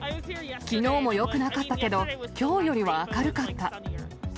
きのうもよくなかったけど、きょうよりは明るかった。